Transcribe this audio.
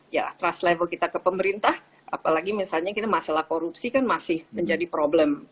ya trust level kita ke pemerintah apalagi misalnya kita masalah korupsi kan masih menjadi problem